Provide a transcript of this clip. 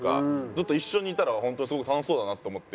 ずっと一緒にいたら本当にすごく楽しそうだなって思って。